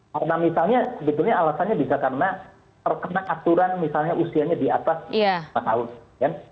karena misalnya sebetulnya alasannya bisa karena terkena aturan misalnya usianya di atas lima tahun